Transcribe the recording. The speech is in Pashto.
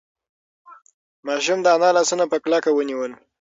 ماشوم د انا لاسونه په کلکه ونیول.